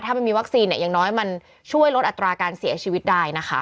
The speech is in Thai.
ถ้ามันมีวัคซีนเนี่ยอย่างน้อยมันช่วยลดอัตราการเสียชีวิตได้นะคะ